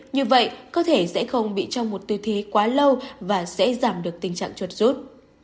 như vậy có thể sẽ không bị trong một tư thế quá lâu và sẽ giảm được tình trạng chuột rút